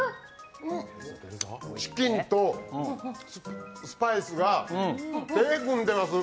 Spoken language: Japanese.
チキンと、スパイスが手ぇ組んでます。